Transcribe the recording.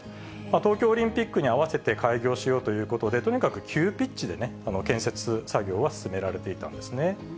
東京オリンピックに合わせて開業しようということで、とにかく急ピッチでね、建設作業は進められていったんですね。